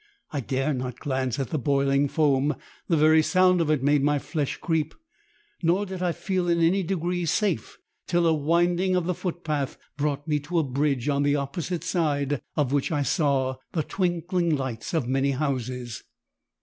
I dare not glance at the boiling foam, the very sound of it made my flesh creep; nor did I feel in any degree safe till a winding of the footpath brought me to a bridge, on the opposite side of which I saw the twinkling lights of many houses.